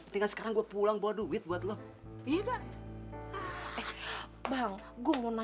tuyulnya datang juga